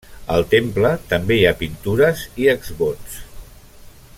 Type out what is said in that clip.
Al temple també hi ha pintures i exvots.